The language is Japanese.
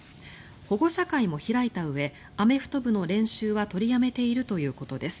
保護者会も開いたうえアメフト部の練習は取りやめているということです。